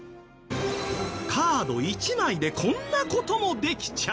カード１枚でこんな事もできちゃう？